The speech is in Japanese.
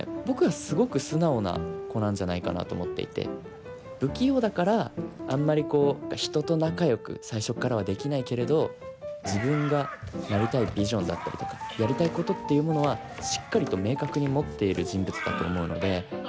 僕はすごく素直な子なんじゃないかなと思っていて不器用だからあんまりこう人と仲よく最初っからはできないけれど自分がなりたいビジョンだったりとかやりたいことっていうものはしっかりと明確に持っている人物だと思うので。